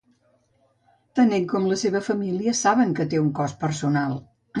Tant ell com la seva família saben que té un cost personal.